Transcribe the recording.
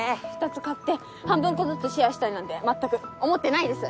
２つ買って半分こずつシェアしたいなんて全く思ってないです